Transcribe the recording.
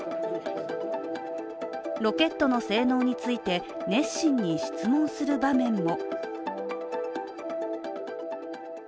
ロケットの性能について熱心に質問する場面も。